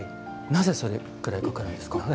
なぜそれくらいかかるんですか。